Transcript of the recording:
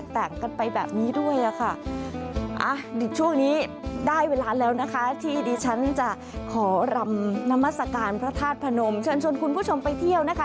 ที่ดีฉันจะขอรำนามศการพระธาตุพนมชวนชวนคุณผู้ชมไปเที่ยวนะคะ